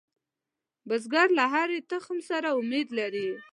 بزګر له هرې تخم سره امید لري